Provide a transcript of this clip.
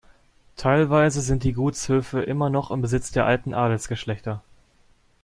Teilweise sind die Gutshöfe immer noch im Besitz der alten Adelsgeschlechter.